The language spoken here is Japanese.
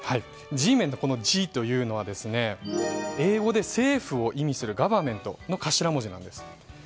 ＧメンのＧというのは英語で政府を意味するＧｏｖｅｒｎｍｅｎｔの頭文字なんです。